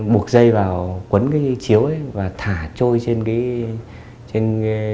buộc dây vào quấn cái chiếu và thả trôi trên cái